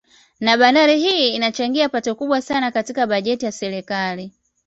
Na bandari hii inachangia pato kubwa sana katika bajeti ya serikali